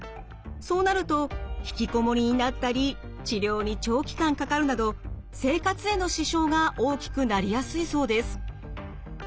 そうなると引きこもりになったり治療に長期間かかるなど生活への支障が大きくなりやすいそうです。